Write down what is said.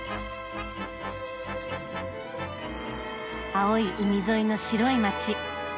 青い海沿いの白い街。